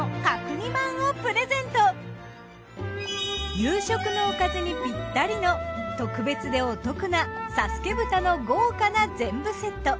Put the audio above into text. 夕食のおかずにぴったりの特別でお得な佐助豚の豪華な全部セット。